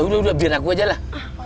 udah biar aku aja lah